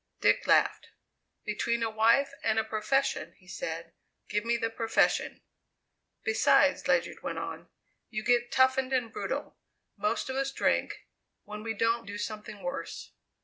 Dick laughed. "Between a wife and a profession," he said, "give me the profession." "Besides," Ledyard went on; "you get toughened and brutal; most of us drink, when we don't do something worse."